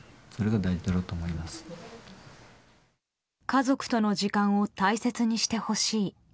家族との時間を大切にしてほしい。